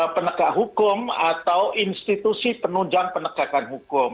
penegak hukum atau institusi penunjang penegakan hukum